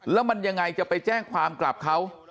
แล้วมันยังไงจะไปแจ้งความกลับเขา